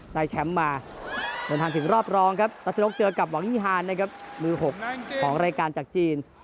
ได้แชมป์มาเดินทางถึงรอบรองครับรัชนกเจอกับหวังยี่ฮานนะครับมือ๖ของรายการจากจีน